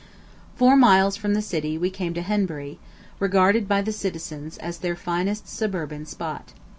Four miles from the city we came to Henbury, regarded by the citizens as their finest suburban spot.